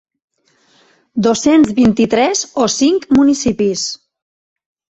Dos-cents vint-i-tres o cinc municipis.